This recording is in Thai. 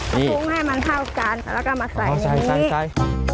พร้อมให้มันเท่ากันแล้วก็มาใส่อย่างนี้